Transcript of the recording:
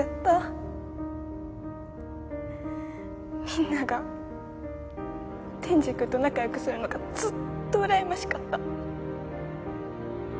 みんなが天智くんと仲良くするのがずっとうらやましかった。